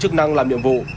chức năng làm nhiệm vụ